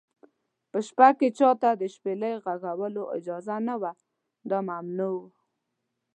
په شپه کې چا ته د شپېلۍ غږولو اجازه نه وه، دا ممنوع و.